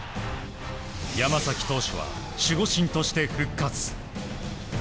山崎投手は守護神として復活。